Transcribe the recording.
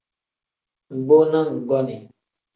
Mbo na nggonii.